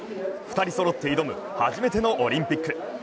２人そろって挑む、初めてのオリンピック。